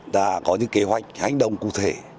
đã có những kế hoạch hành động cụ thể